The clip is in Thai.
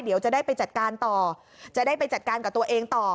เดี๋ยวจะได้ไปจัดการต่อจะได้ไปจัดการกับตัวเองต่อ